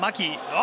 あ！